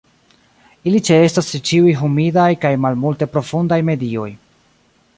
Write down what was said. Ili ĉeestas ĉe ĉiuj humidaj kaj malmulte profundaj medioj.